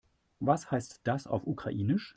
Was heißt das auf Ukrainisch?